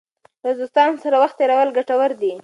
له دوستانو سره وخت تېرول ګټور دی.